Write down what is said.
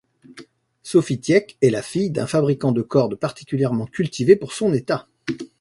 Sophie Tieck est la fille d'un fabricant de cordes particulièrement cultivé pour son état.